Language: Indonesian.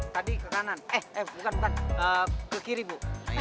tadi ke kanan eh eh bukan bukan ke kiri bu